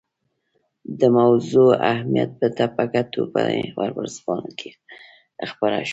د موضوع اهمیت ته په کتو په محور ورځپاڼه کې خپره شوې.